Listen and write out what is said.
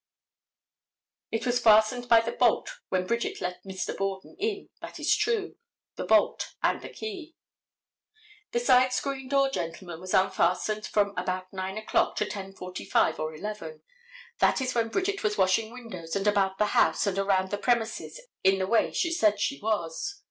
It was fastened by the bolt when Bridget let Mr. Borden in, that is true—the bolt and the key. The side screen door, gentlemen, was unfastened from about 9 o'clock to 10:45 or 11. That is when Bridget was washing windows and about the house and around the premises in the way she said she was.